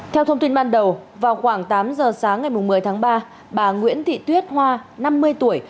theo thông tin ban đầu vào khoảng tám giờ sáng ngày một mươi tháng ba bà nguyễn thị tuyết hoa năm mươi tuổi